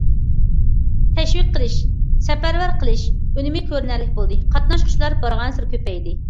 تەشۋىق قىلىش، سەپەرۋەر قىلىش ئۈنۈمى كۆرۈنەرلىك بولدى، قاتناشقۇچىلار بارغانسېرى كۆپەيدى.